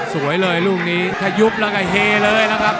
สวยเลยลูกนี้ถ้ายุบแล้วก็เฮเลยนะครับ